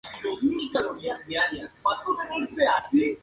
Earthquake y Typhoon se ganaron el apoyo del público, pasando a faces.